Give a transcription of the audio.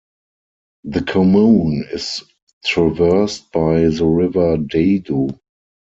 The commune is traversed by the river Dadou.